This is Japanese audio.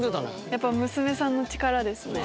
やっぱ娘さんの力ですね。